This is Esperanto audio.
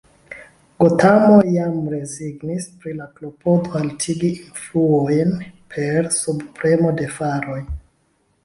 Gotamo jam rezignis pri la klopodo haltigi influojn per subpremo de faroj.